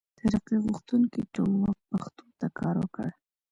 ترقي غوښتونکي ټولواک پښتو ته کار وکړ.